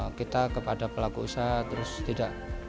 kepada kita kepada pelaku usaha terus tidak